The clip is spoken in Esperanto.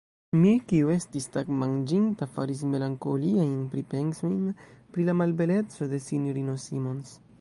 Mi, kiu estis tagmanĝinta, faris melankoliajn pripensojn pri la malbeleco de S-ino Simons.